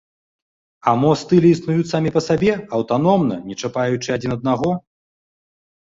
А мо стылі існуюць самі па сабе, аўтаномна, не чапаючы адзін аднаго?